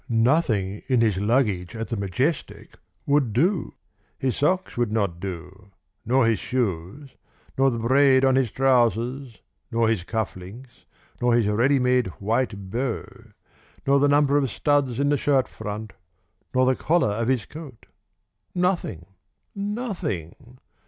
Nothing in his luggage at the Majestic would do. His socks would not do, nor his shoes, nor the braid on his trousers, nor his cuff links, nor his ready made white bow, nor the number of studs in the shirt front, nor the collar of his coat. Nothing! Nothing!